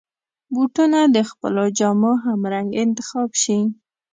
بوټونه د خپلو جامو همرنګ انتخاب شي.